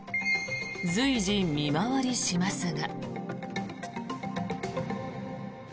随時、見回りしますが。